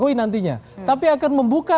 poin nantinya tapi akan membuka